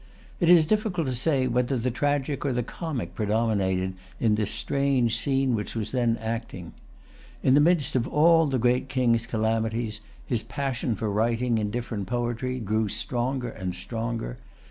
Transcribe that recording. It is difficult to say whether the tragic or the comic predominated in the strange scene which was then acting. In the midst of all the great King's calamities, his passion for writing indifferent poetry grew stronger and stronger.